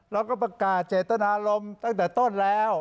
เราก็ประกาศเจตนารมณ์ตั้งแต่ต้นแล้ว